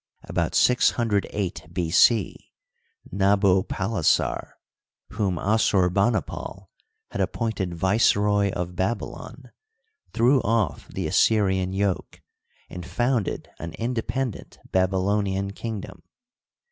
About 608 B. c, Nabo pailassart whom Assurbanipal had appointed Viceroy of Babylon, threw off the Assyrian yoke and founded an in dependent Babylonian kingdom.